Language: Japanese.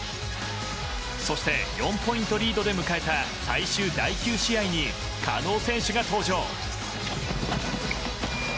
そして、４ポイントリードで迎えた最終第９試合に加納選手が登場。